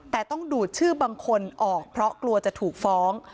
แต่ต้องดูดชื่อบางคนออกเพราะกลัวจะถูกฟ้อง